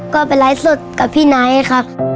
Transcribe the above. ก็ไปรายสดกับพี่น้ายครับ